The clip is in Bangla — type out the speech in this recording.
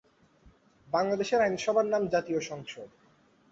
বাংলাদেশের আইনসভার নাম জাতীয় সংসদ।